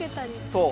そう。